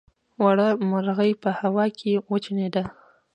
وړه مرغۍ په هوا کې وچوڼېده.